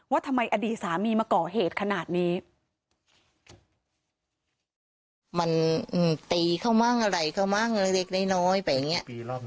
ทำไมอดีตสามีมาก่อเหตุขนาดนี้